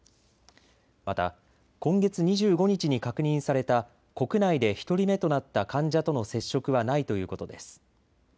また、今月２５日に確認された国内で１人目となった患者との接触はないということです。